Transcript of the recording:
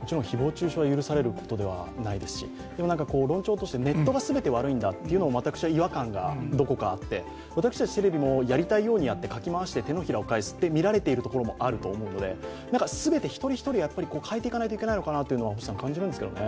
もちろん誹謗中傷は許されることではないですし、論調として、ネットが全て悪いんだというのは私は違和感があって私たちテレビもやりたいようにやって、かき回して手のひらを返すとみられているところがあると思うので全て一人一人変えていかないといけないのかなと感じるんですけどね。